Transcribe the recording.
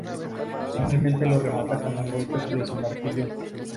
Finalmente lo remata con un golpe de su martillo.